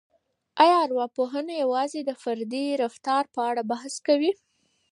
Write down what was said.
آیا ارواپوهنه یوازې د فردي رفتار په اړه بحث کوي؟